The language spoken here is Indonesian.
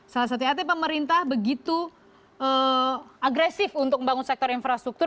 salah satunya artinya pemerintah begitu agresif untuk membangun sektor infrastruktur